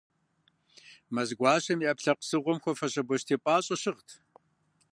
Мэзгуащэм, и ӏэпкълъэпкъ псыгъуэм хуэфӏу бостей пӏащӏэ щыгът.